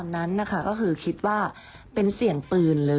ความอาการว่าก็คิดว่าบนเวลาเป็นเสียงปืน